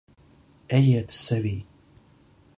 Ejiet sevī.